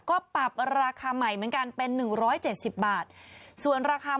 ก็ปรับราคาใหม่เหมือนกันเป็นหนึ่งร้อยเจ็ดสิบบาทส่วนราคา